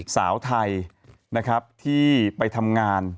สาวไทยนะครับที่ไปทำงาน